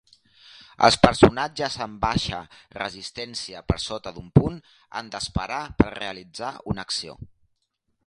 Els personatges amb baixa resistència per sota d'un punt han d'esperar per realitzar una acció.